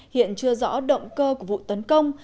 hiện chưa rõ động cơ của vụ tấn công